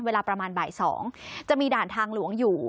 เวลาประมาณบ่าย๒จะมีด่านทางหลวงอยู่